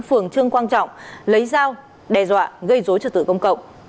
phường trương quang trọng lấy dao đe dọa gây dối trật tự công cộng